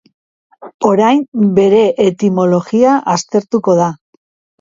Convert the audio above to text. Orain, bere etimologia aztertuko da.